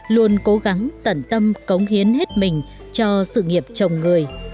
luôn cố gắng tận tâm cống hiến hết mình cho sự nghiệp chồng người